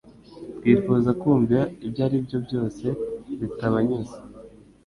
Twifuza kumva ibyaribyo byose bitabanyuze.